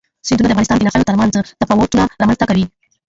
سیندونه د افغانستان د ناحیو ترمنځ تفاوتونه رامنځ ته کوي.